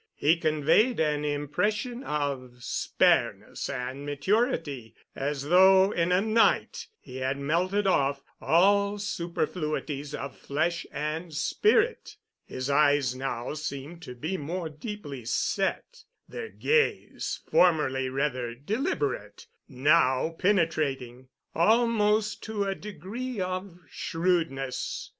He conveyed an impression of spareness and maturity, as though in a night he had melted off all superfluities of flesh and spirit. His eyes now seemed to be more deeply set, their gaze, formerly rather deliberate, now penetrating, almost to a degree of shrewdness.